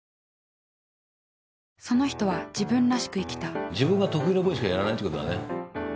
その人は自分らしく生きた自分が得意な分しかやらないってことだね。